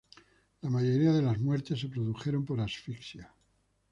La mayoría de las muertes se produjeron por asfixia.